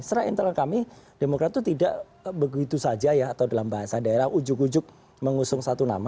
setelah internal kami demokrat itu tidak begitu saja ya atau dalam bahasa daerah ujuk ujuk mengusung satu nama